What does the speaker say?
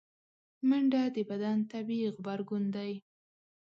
منډه د بدن طبیعي غبرګون دی